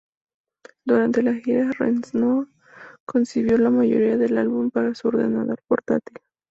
Durante la gira, Reznor concibió la mayoría del álbum en su ordenador portátil.